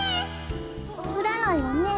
ふらないわね。